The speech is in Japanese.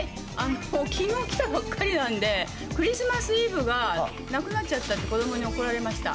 きのう来たばっかりなんで、クリスマスイブがなくなっちゃったって、子どもに怒られました。